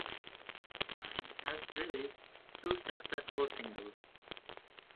Trine has released two successful singles.